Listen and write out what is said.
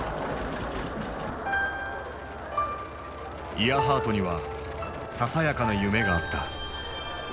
イアハートにはささやかな夢があった。